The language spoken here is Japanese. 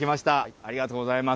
ありがとうございます。